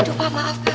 tuh pak maaf pak